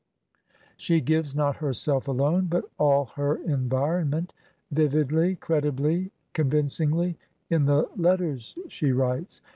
She gives not herself alone, but all her environment, vividly, credibly, convincingly, in the letters she writes.